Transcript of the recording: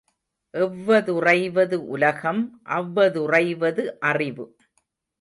எவ்வதுறைவது உலகம் அவ்வதுறைவது அறிவு.